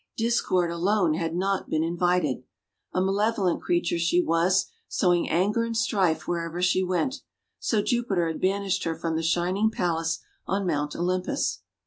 Discord alone had not been invited. A malevolent creature she was, sowing anger and strife wherever she went. So Jupiter had banished her from the Shining Palace on Mount Olympus.